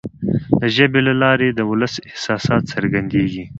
د ژبي له لارې د ولس احساسات څرګندیږي.